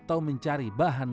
terus pakai biogas